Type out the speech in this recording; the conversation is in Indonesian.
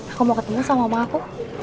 aku mau ketemu sama mama aku